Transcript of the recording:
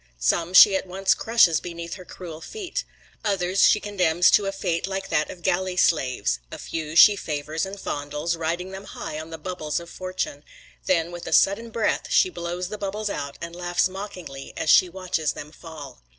Some she at once crushes beneath her cruel feet; others she condemns to a fate like that of galley slaves; a few she favors and fondles, riding them high on the bubbles of fortune; then with a sudden breath she blows the bubbles out and laughs mockingly as she watches them fall.